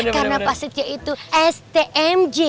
karena pak setio itu stmj